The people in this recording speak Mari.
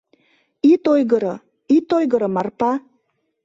— Ит ойгыро, ит ойгыро, Марпа!..